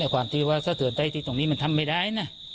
กว่าถ้าเจอใจติดตรงนี้มันทำไม่ได้